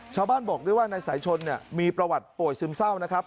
ชาวบ้านบอกด้วยว่าท่านสายชนมีประวัติโปรดซึมเศร้านะครับ